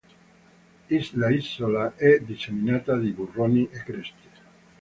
L'isola è disseminata di burroni e creste.